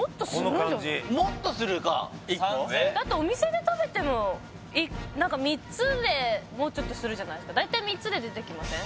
もっとするかだってお店で食べても３つでもうちょっとするじゃないですか大体３つで出てきません？